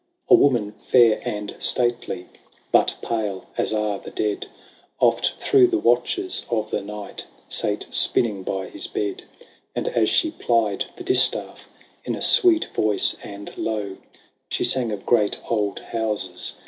A woman fair and stately, But pale as are the dead. Oft through the watches of the night Sate spinning by his bed. And as she plied the distaff, In a sweet voice and low, She sang of great old houses.